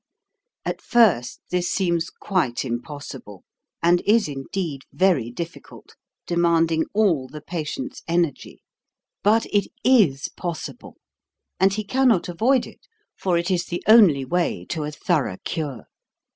At first this seems quite impossible, and is indeed very difficult, demanding all the pa tient's energy. But it is possible, and he can not avoid it, for it is the only way to a thor 184 THE CURE 185 ough cure.